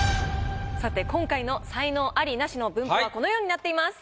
さて今回の才能アリ・ナシの分布はこのようになっています。